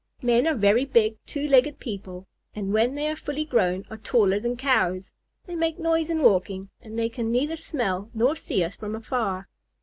"Men are very big, two legged people, and when they are fully grown are taller than Cows. They make noise in walking, and they can neither smell nor see us from afar."